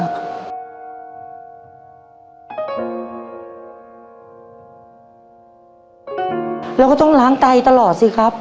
เราก็ต้องล้างไตตลอดสิครับ